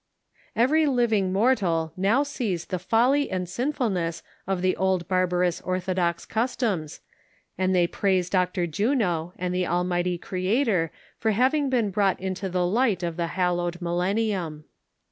Every living mortal now sees the folly and sinfulness of the old barbarous orthodox customs, and they praise Dr. Juno, and the Almighty Creator for having been brought into the light of the hallowed Millennium